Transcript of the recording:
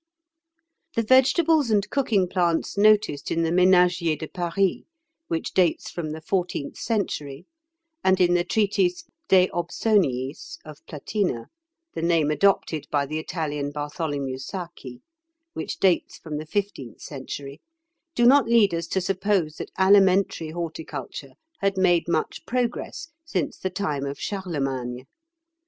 The vegetables and cooking plants noticed in the "Ménagier de Paris," which dates from the fourteenth century, and in the treatise "De Obsoniis," of Platina (the name adopted by the Italian Bartholomew Sacchi), which dates from the fifteenth century, do not lead us to suppose that alimentary horticulture had made much progress since the time of Charlemagne.